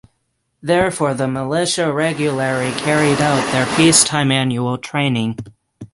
Thereafter the militia regularly carried out their peacetime annual training.